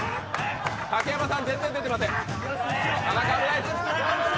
竹山さん全然出ていません。